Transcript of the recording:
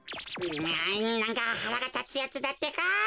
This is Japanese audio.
えなんかはらがたつやつだってか。